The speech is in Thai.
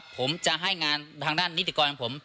ผมจะให้งานทางด้านนิติกรของผม